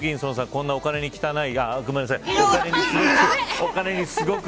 こんなお金に汚い。